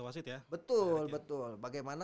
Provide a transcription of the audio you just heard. wasit ya betul betul bagaimana